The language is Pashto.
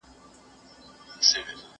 د ورځي یوازي سل سل جملې همکاري وکړي!.